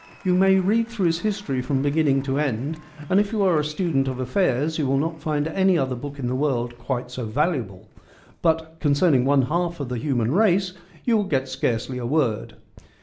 You may read through his History from beginning to end — and if you are a student of affairs you will not find any other book in the world quite so valuable — but, concerning one half of the human race, you will get scarcely a word.